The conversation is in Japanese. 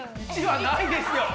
①はないですよ。